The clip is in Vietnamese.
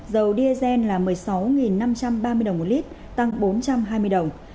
dầu diesel là một mươi sáu năm trăm ba mươi đồng một lít tăng bốn trăm hai mươi đồng